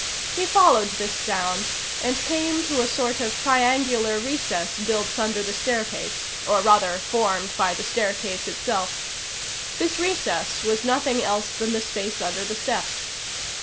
He followed this sound, and came to a sort of triangular recess built under the staircase, or rather formed by the staircase itself. This recess was nothing else than the space under the steps.